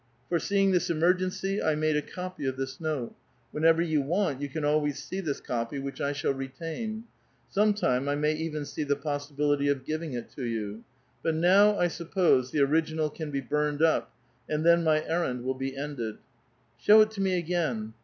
Foreseeing tbis emer gency, I made a copy of this note ; whenever you want you can always see this copy, which I shall retain. Sometime I may even see the possibility of giving it to you. But now, I suppose, the original can be burned up, and then my errand will be ended." Show it to me again